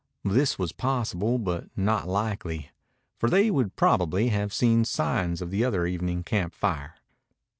This was possible, but not likely. For they would probably have seen signs of the other evening camp fire.